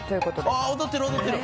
「ああ踊ってる踊ってる！」